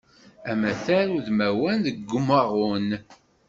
Amatar udmawan deg umaɣun.